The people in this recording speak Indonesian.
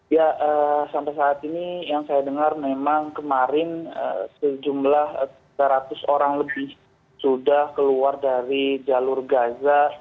ya sampai saat ini yang saya dengar memang kemarin sejumlah tiga ratus orang lebih sudah keluar dari jalur gaza